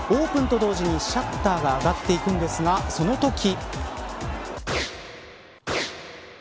オープンと同時にシャッターが上がっていくんですがそのとき。